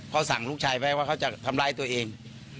เขาสั่งลูกชายไว้ว่าเขาจะทำร้ายตัวเอง